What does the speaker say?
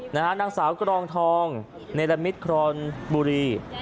นางสาวกรองทองเนรมิตครอนบุรี